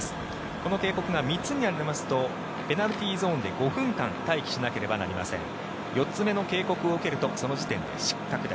この警告が３つになりますとペナルティーゾーンで５分間待機しなければいけません。